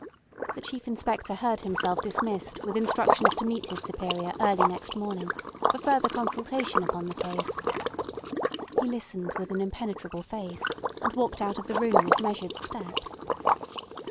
The Chief Inspector heard himself dismissed with instructions to meet his superior early next morning for further consultation upon the case. He listened with an impenetrable face, and walked out of the room with measured steps.